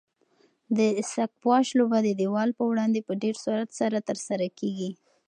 د سکواش لوبه د دیوال په وړاندې په ډېر سرعت سره ترسره کیږي.